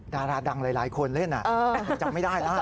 ดาราดังหลายคนเล่นจำไม่ได้แล้ว